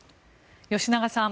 吉永さん